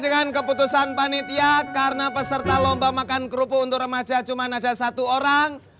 dengan keputusan panitia karena peserta lomba makan kerupuk untuk remaja cuma ada satu orang